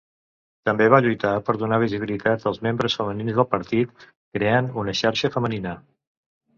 També va lluitar per donar visibilitat als membres femenins del partit, creant una xarxa femenina.